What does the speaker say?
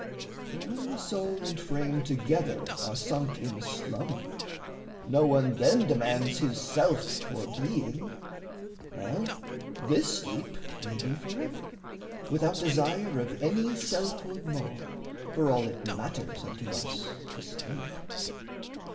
For when the soul and frame together are sunk In slumber, no one then demands his self Or being. Well, this sleep may be forever, Without desire of any selfhood more, For all it matters unto us asleep.